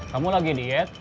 kamu lagi diet